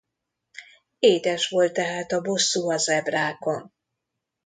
Édes volt tehát a bosszú a zebrákon.